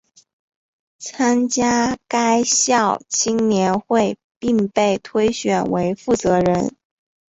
参加该校青年会并被推选为负责人。